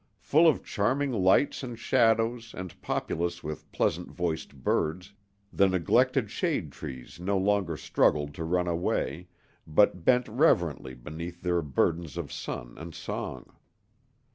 Full of charming lights and shadows and populous with pleasant voiced birds, the neglected shade trees no longer struggled to run away, but bent reverently beneath their burdens of sun and song.